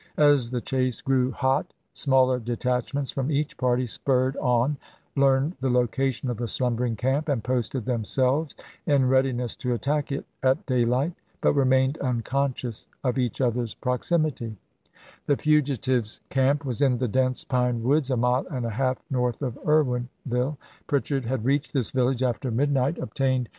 As the chase grew hot, smaller detachments from each party spurred on, learned the location of the slumbering camp, and posted themselves in readiness to attack it at daylight, but remained unconscious of each other's proximity. The fugitives' camp was in the dense pine woods a mile and a half north of Irwinville. Pritchard had reached this village after midnight, obtained 270 ABKAHAM LINCOLN CH. XIII. May 10, 1865. G. W. Lawton, in "The Atlantic," Sept., 1865, p.